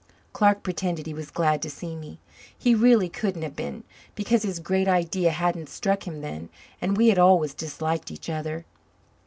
Clark pretended he was glad to see me. He really couldn't have been, because his Great Idea hadn't struck him then, and we had always disliked each other.